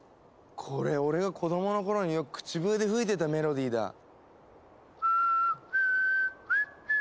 これ俺が子どもの頃によく口笛で吹いてたメロディーだ。